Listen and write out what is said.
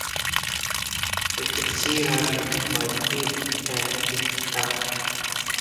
We could see her little white teeth and pink tongue.